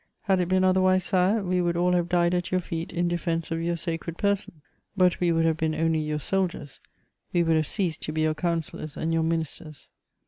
Had it been otherwise, Sire, we would all have died at your feet in defense of your sacred person; but we would have been only your soldiers, we would have ceased to be your councillors and your ministers....